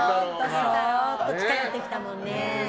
そっと近寄ってきたもんね。